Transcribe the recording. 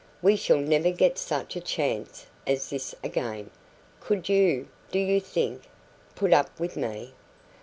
we shall never get such a chance as this again could you, do you think, put up with me?